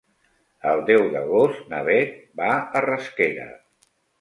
El deu d'agost na Beth va a Rasquera.